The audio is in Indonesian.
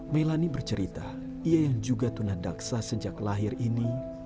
melani bercerita ia yang juga tuna daksa sejak lahir ini